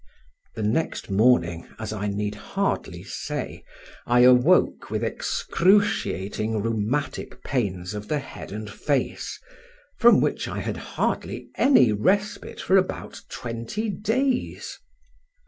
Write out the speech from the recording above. The next morning, as I need hardly say, I awoke with excruciating rheumatic pains of the head and face, from which I had hardly any respite for about twenty days.